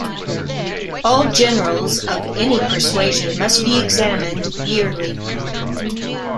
All Generals of any persuasion must be examined yearly.